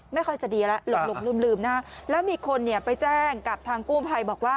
ไม่ค่อยจะดีแล้วหลงลืมนะแล้วมีคนเนี่ยไปแจ้งกับทางกู้ภัยบอกว่า